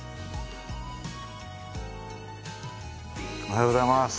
おはようございます。